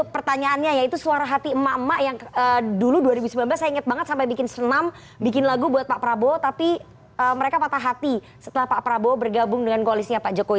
pertanyaannya yaitu suara hati emak emak yang dulu dua ribu sembilan belas saya ingat banget sampai bikin senam bikin lagu buat pak prabowo tapi mereka patah hati setelah pak prabowo bergabung dengan koalisnya pak jokowi